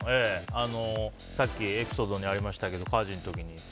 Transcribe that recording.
さっきエピソードにもありましたけど火事の時に。